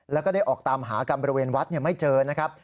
แล้วก็ได้ออกตามหากันบริเวณวัดไม่เจอนะครับ